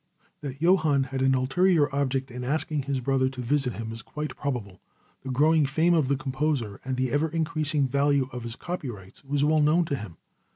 That Johann had an ulterior object in asking his brother to visit him is quite probable. The growing fame of the composer and the ever increasing value of his copyrights was well known to him.